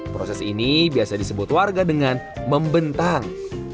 proses ini biasa disebut warga dengan membentang